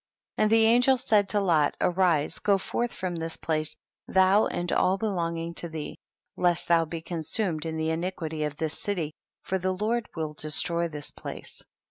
48. And the angels said to Lot, arise, go forth from this place, thou and all belonging to thee, lest thou be consumed in the iniquity of this city, for the Lord will destroy this place.